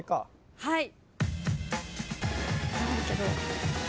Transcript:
はい。